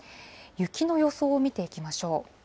雪の予想を見ていきましょう。